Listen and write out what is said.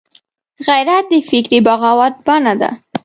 غیرت د فکري بغاوت بڼه ده